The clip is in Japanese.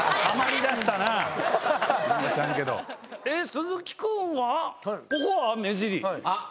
鈴木君はここは目尻。